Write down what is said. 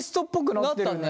なったね。